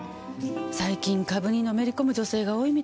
最近株にのめり込む女性が多いみたいですね。